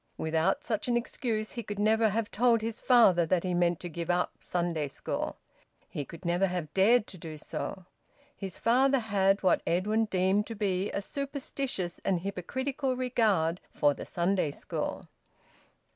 Without such an excuse he could never have told his father that he meant to give up Sunday school. He could never have dared to do so. His father had what Edwin deemed to be a superstitious and hypocritical regard for the Sunday school.